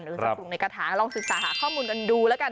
หรือจะปรุงในกระถางลองศึกษาหาข้อมูลกันดูแล้วกัน